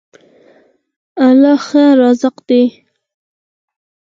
الله ښه رازق دی.